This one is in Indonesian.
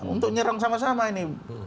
untuk nyerang sama sama ini